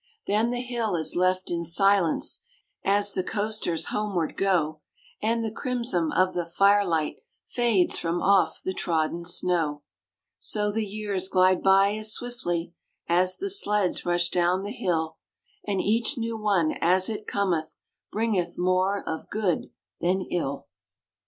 Then the hill is left in silence As the coasters homeward go, And the crimson of the fire light Fades from off the trodden snow. So the years glide by as swiftly As the sleds rush down the hill, And each new one as it cometh Bringeth more of good than ill.